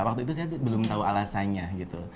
waktu itu saya belum tahu alasannya gitu